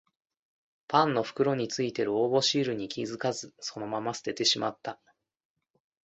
パンの袋についてる応募シールに気づかずそのまま捨ててしまった